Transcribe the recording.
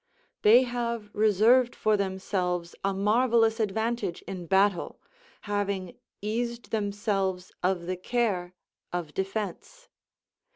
They have reserved for themselves a marvellous advantage in battle, having eased themselves of the care of defence.